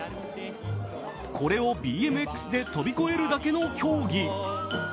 これをＢＭＸで飛び越えるだけの競技。